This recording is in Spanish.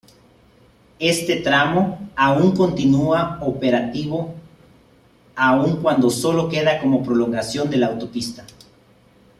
Este tramo aún continúa operativo aun cuando solo queda como prolongación de la autopista.